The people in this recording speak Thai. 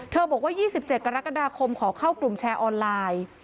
บอกว่า๒๗กรกฎาคมขอเข้ากลุ่มแชร์ออนไลน์